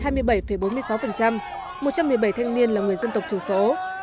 một trăm một mươi bảy thanh niên là người dân tộc thiểu số